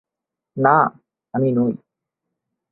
না, আমি নই।